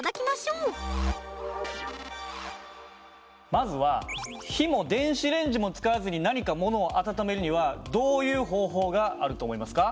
まずは火も電子レンジも使わずに何か物を温めるにはどういう方法があると思いますか？